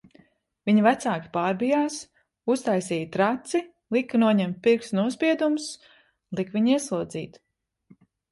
Viņa vecāki pārbijās, uztaisīja traci, lika noņemt pirkstu nospiedumus, lika viņu ieslodzīt...